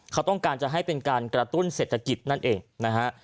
เขาต้องการจะให้เป็นการกระตุ้นเศรษฐกิจนั่นเองนะฮะ